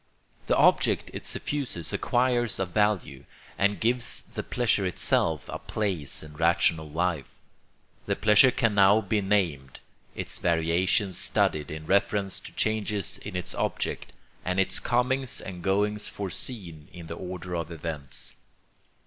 The object it suffuses acquires a value, and gives the pleasure itself a place in rational life. The pleasure can now be named, its variations studied in reference to changes in its object, and its comings and goings foreseen in the order of events.